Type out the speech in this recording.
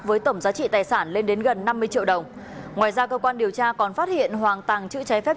với tổng giá trị tài sản lên đến gần năm mươi triệu đồng ngoài ra cơ quan điều tra còn phát hiện hoàng tàng trữ trái phép